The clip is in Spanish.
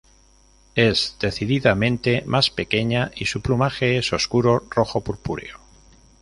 Es decididamente más pequeña y su plumaje es oscuro rojo purpúreo.